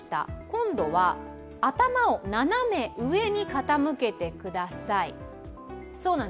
今度は頭を斜め上に傾けてください。